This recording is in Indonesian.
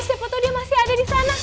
siapa tau dia masih ada disana